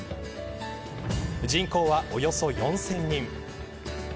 人口は、およそ４０００人。